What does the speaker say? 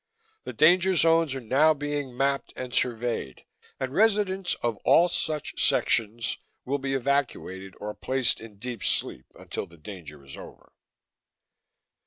The danger zones are now being mapped and surveyed, and residents of all such sections will be evacuated or placed in deep sleep until the danger is over.